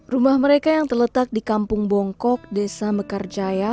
rumah mereka yang terletak di kampung bongkok desa mekarjaya